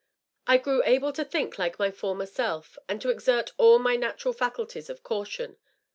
I grew able to think like my former self, and to exert all my natural faculties of caution.